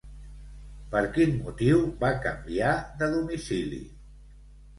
Per quin motiu va canviar de domicili?